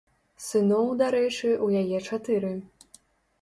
Сыноў, дарэчы, у яе чатыры.